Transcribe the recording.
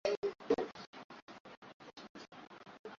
walipogundua kuwa ulikuwa wakati wa kuondoka kwenye meli